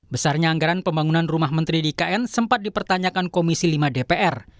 besarnya anggaran pembangunan rumah menteri di ikn sempat dipertanyakan komisi lima dpr